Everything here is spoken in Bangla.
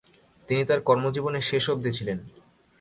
তিনি তাঁর কর্মজীবনের শেষ অবধি ছিলেন।